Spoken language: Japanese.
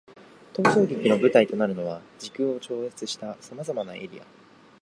逃走劇の舞台となるのは、時空を超越した様々なエリア。